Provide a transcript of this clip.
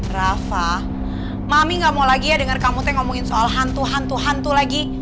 rafa mami gak mau lagi ya dengar kamu teh ngomongin soal hantu hantu hantu lagi